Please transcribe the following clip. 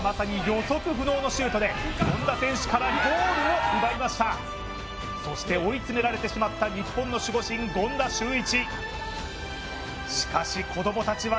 権田選手から２ゴールを奪いましたそして追い詰められてしまった日本の守護神・権田修一。